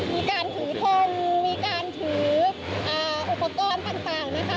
มีการถือทงมีการถืออุปกรณ์ต่างนะคะ